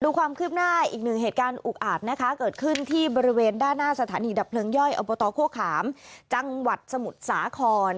ความคืบหน้าอีกหนึ่งเหตุการณ์อุกอาจนะคะเกิดขึ้นที่บริเวณด้านหน้าสถานีดับเพลิงย่อยอบตโฆขามจังหวัดสมุทรสาคร